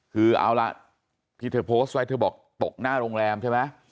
คือเอาล่ะที่เธอโพสต์ไว้เธอบอกตกหน้าโรงแรมใช่ไหม